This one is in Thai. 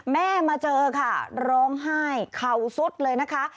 แม่มาเจอค่ะร้องไห้เข่าสุดเลยนะคะ